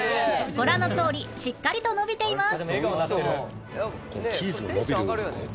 ご覧のとおりしっかりと伸びています